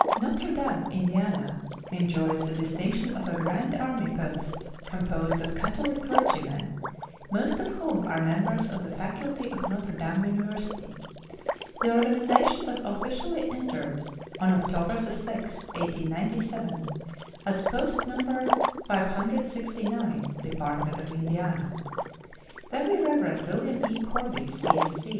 Notre Dame, Indiana, enjoys the distinction of a Grand Army Post composed of Catholic clergymen, most of whom are members of the faculty of Notre Dame University. The organization was officially entered on October 6, 1897, as Post No. 569, Department of Indiana. Very Rev. William E. Corby, C.